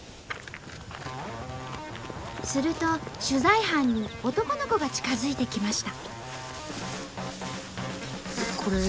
すると取材班に男の子が近づいてきました。